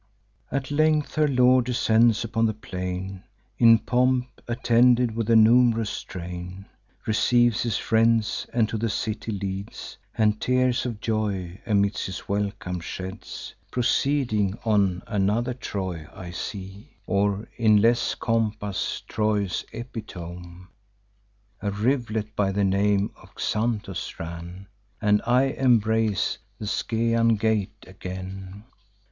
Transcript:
"At length her lord descends upon the plain, In pomp, attended with a num'rous train; Receives his friends, and to the city leads, And tears of joy amidst his welcome sheds. Proceeding on, another Troy I see, Or, in less compass, Troy's epitome. A riv'let by the name of Xanthus ran, And I embrace the Scaean gate again.